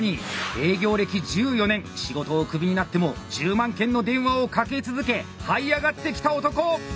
営業歴１４年仕事をくびになっても１０万件の電話をかけ続けはい上がってきた男！